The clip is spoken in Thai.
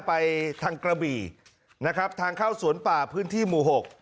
ไปทางกระบี่นะครับทางเข้าสวนป่าพื้นที่หมู่หก